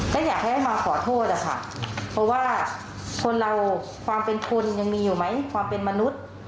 ก็อยากให้มาขอโทษอะค่ะเพราะว่าคนเราความเป็นคนยังมีอยู่ไหมความเป็นมนุษย์